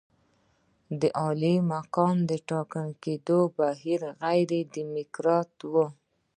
د عالي مقام د ټاکل کېدو بهیر غیر ډیموکراتیک وو.